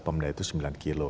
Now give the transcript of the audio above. pemerintah itu sembilan km